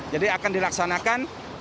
jadi akan dilaksanakan